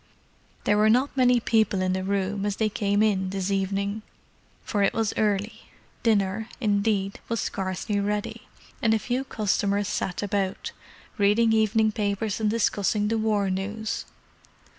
There were not many people in the room as they came in this evening, for it was early; dinner, indeed, was scarcely ready, and a few customers sat about, reading evening papers and discussing the war news.